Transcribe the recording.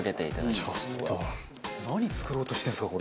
何作ろうとしてるんですか？